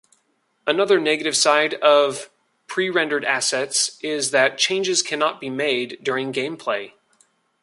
Another negative side of pre-rendered assets is that changes cannot be made during gameplay.